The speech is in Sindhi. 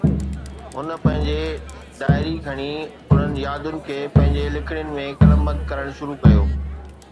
هن پنهنجي ڊائري کڻي انهن يادن کي پنهنجي لکڻين ۾ قلمبند ڪرڻ شروع ڪيو